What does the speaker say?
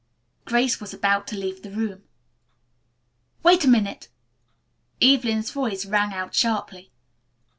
Grace was about to leave the room. "Wait a minute!" Evelyn's voice rang out sharply.